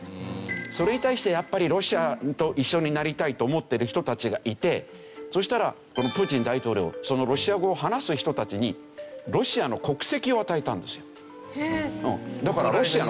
それに対してやっぱりロシアと一緒になりたいと思ってる人たちがいてそしたらプーチン大統領ロシア語を話す人たちにロシアの国籍を与えたんですよ。